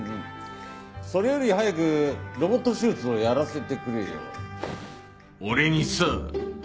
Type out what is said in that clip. それより早くロボット手術をやらせてくれよ俺にさ。